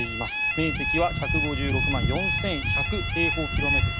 面積は１５６万４１００平方キロメートル。